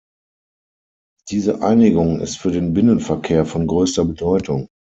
Diese Einigung ist für den Binnenverkehr von größter Bedeutung.